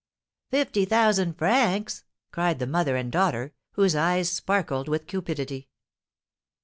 "Fifty thousand francs!" cried the mother and daughter, whose eyes sparkled with cupidity.